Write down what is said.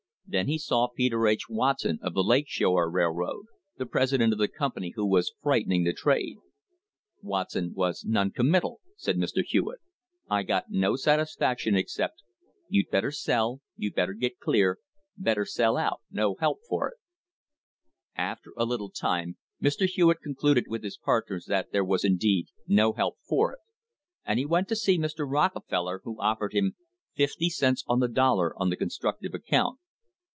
Then he saw Peter H. Watson of the Lake Shore Railroad, the president of the company which was frightening the trade. "Watson was non committal," said Mr. Hewitt. "I got no satisfaction except, 'You better sell — you better get clear — better sell out — no help for it' " After a little time Mr. Hewitt concluded with his partners that there was indeed "no help for it," and he went to see Mr. Rockefeller, who offered him fifty cents on the dollar on the constructive account.